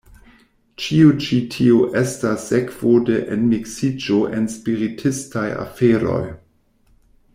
Ĉio ĉi tio estas sekvo de enmiksiĝo en spiritistaj aferoj.